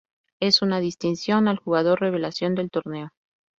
Es una distinción al jugador revelación del torneo.